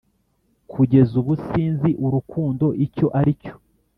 Kugeza ubu sinzi urukundo icyo ari cyo